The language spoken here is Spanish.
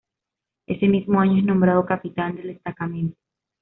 Ese mismo año es nombrado capitán del destacamento.